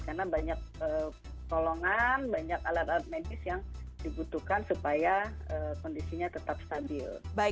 karena banyak tolongan banyak alat alat medis yang dibutuhkan supaya kondisinya tetap stabil